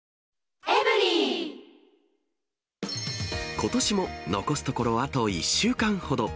ことしも残すところあと１週間ほど。